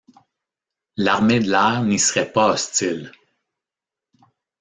L'Armée de l'air n'y serait pas hostile.